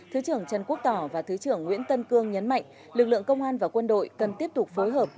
thứ trưởng trần quốc tỏ và thứ trưởng nguyễn tân cương nhấn mạnh lực lượng công an và quân đội cần tiếp tục phối hợp